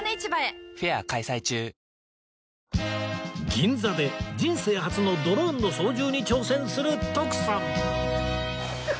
銀座で人生初のドローンの操縦に挑戦する徳さん